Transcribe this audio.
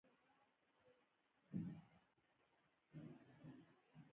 خبرو ته يې غوږ نیسو.